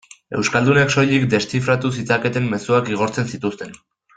Euskaldunek soilik deszifratu zitzaketen mezuak igortzen zituzten.